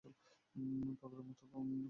পাগলের মত কথা বোলো না।